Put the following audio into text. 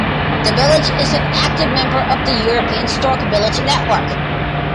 The village is an active member of the European Stork-Village Network.